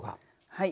はい。